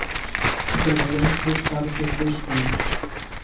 O presidente do estado teve dois filhos.